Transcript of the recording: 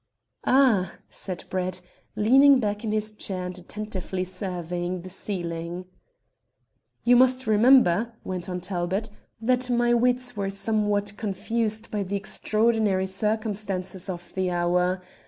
"Ah!" said Brett, leaning back in his chair and attentively surveying the ceiling. "You must remember," went on Talbot, "that my wits were somewhat confused by the extraordinary circumstances of the hour.